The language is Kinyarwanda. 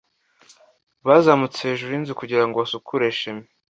Bazamutse hejuru y'inzu kugira ngo basukure chimney.